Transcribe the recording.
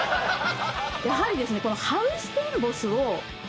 やはりですね。